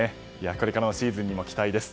これからのシーズンにも期待です。